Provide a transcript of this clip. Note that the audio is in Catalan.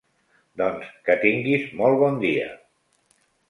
Doncs que tinguis molt bon dia.